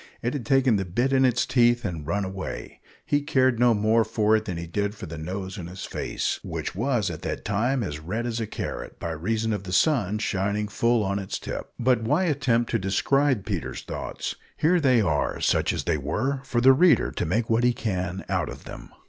It had taken the bit in its teeth and run away. He cared no more for it than he did for the nose on his face, which was, at that time, as red as a carrot, by reason of the sun shining full on its tip. But why attempt to describe Peter's thoughts? Here they are such as they were for the reader to make what he can out of them.